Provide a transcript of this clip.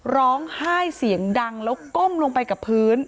ร้องไห้เสียงดังแล้วก้มลงไปกับพื้น